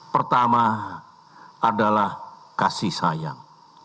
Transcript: pertama adalah kasih sayang